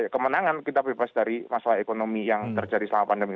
kemenangan kita bebas dari masalah ekonomi yang terjadi selama pandemi